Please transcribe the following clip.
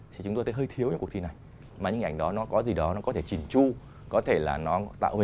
thì chúng ta thấy hơi thiếu những cuộc thi này